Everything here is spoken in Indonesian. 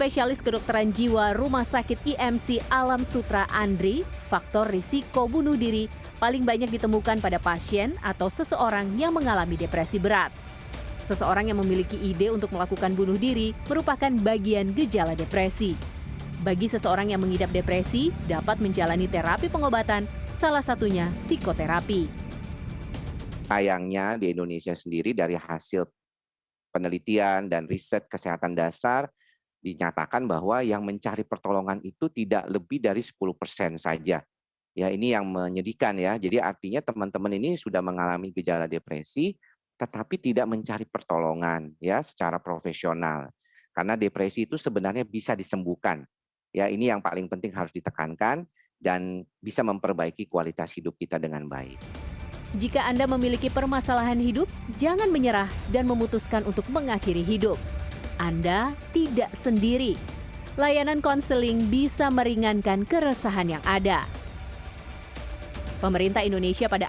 sendiri layanan konseling bisa meringankan keresahan yang ada pemerintah indonesia pada